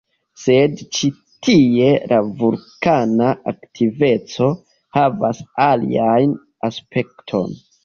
Sed ĉi tie la vulkana aktiveco havas alian aspekton.